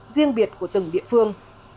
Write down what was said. riêng biệt của từng địa phương